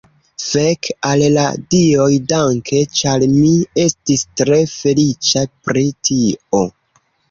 Fek, al la dioj danke! ĉar mi estis tre feliĉa pri tio.